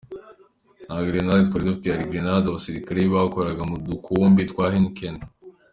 Nta grenades twari dufite, hari grenades abasirikare bikoreraga mu dukombe twa Heineken!